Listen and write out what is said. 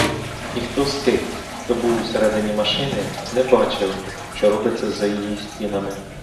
Ніхто з тих, хто був усередині машини, не бачив, що робиться за її стінами.